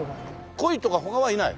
コイとか他はいない？